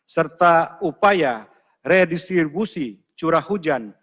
serta upaya redistribusi curah hujan